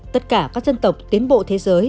tất cả các dân tộc tiến bộ thế giới